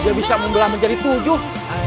dia bisa membelah menjadi tujuh